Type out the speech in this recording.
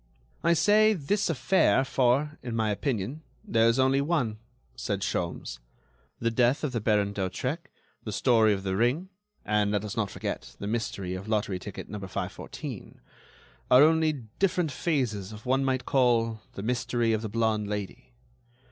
"I say 'this affair,' for, in my opinion, there is only one," said Sholmes. "The death of the Baron d'Hautrec, the story of the ring, and, let us not forget, the mystery of lottery ticket number 514, are only different phases of what one might call the mystery of the blonde Lady.